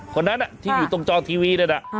คนนั้นที่อยู่ตรงจอทีวีนั่นน่ะ